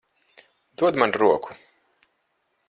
Dod man roku.